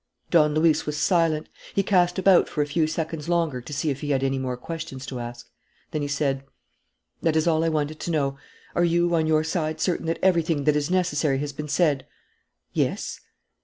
Don Luis was silent. He cast about for a few seconds longer to see if he had any more questions to ask. Then he said: "That is all I wanted to know. Are you, on your side, certain that everything that is necessary has been said?" "Yes."